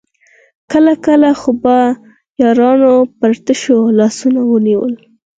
کله کله خو به يارانو پر تشو لاسونو ونيول.